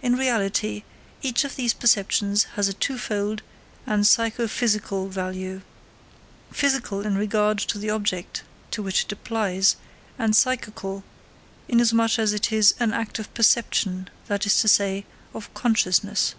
In reality, each of these perceptions has a two fold and psycho physical value physical in regard to the object to which it applies, and psychical inasmuch as it is an act of perception, that is to say, of consciousness.